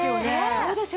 そうですよ。